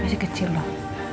masih kecil loh